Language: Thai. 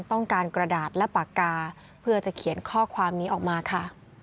กระดาษและปากกาเพื่อจะเขียนข้อความนี้ออกมาค่ะ